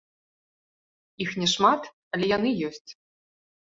Іх не шмат, але яны ёсць.